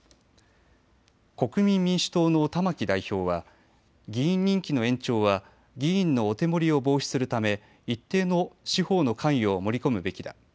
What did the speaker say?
国民民主党の玉木代表は議員任期の延長は議員のお手盛りを防止するため一定の司法の関与を盛り込むべきだ。